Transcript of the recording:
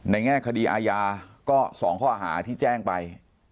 แง่คดีอาญาก็๒ข้อหาที่แจ้งไป